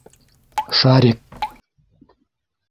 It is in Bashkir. Шарик!